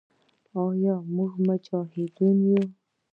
آیا موږ مجاهدین یو؟